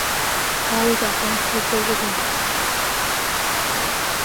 Carlos Afonso de Souza Lima